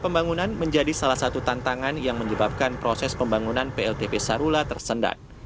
pembangunan menjadi salah satu tantangan yang menyebabkan proses pembangunan pltp sarula tersendat